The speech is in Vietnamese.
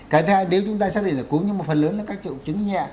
cái thứ hai nếu chúng ta xác định là cúm nhưng mà phần lớn là các triệu chứng nhẹ